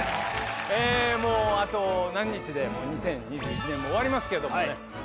もうあと何日で２０２１年も終わりますけどもね。